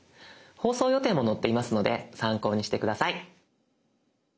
放送予定も載っていますので参考にして下さい。